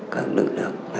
các lực lượng